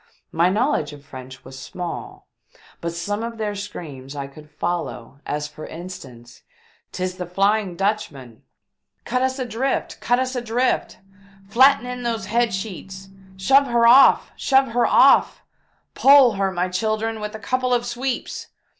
My knowledge of French was small, but some of their screams I could follow, as for instance :" 'Tis the Flying Dutchman !"" Cut us adrift ! Cut us adrift !" "Flatten in those head sheets! Shove her off! Shove her off! Pole her, my children, with a couple of sweeps